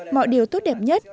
mọi điều tốt đẹp nhất